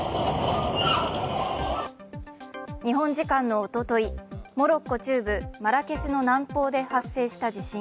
日本時間のおととい、モロッコ中部マラケシュの南方で発生した地震。